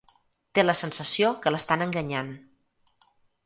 Té la sensació que l'estan enganyant.